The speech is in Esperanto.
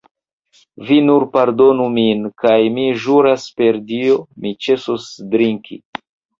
Vi nur pardonu min, kaj mi ĵuras per Dio, mi ĉesos drinki!